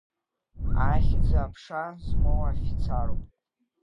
Ахьӡ-аԥша змоу афицаруп…